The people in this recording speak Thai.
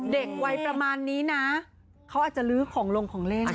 เด็กวัยประมาณนี้นะเขาอาจจะลื้อของลงของเล่น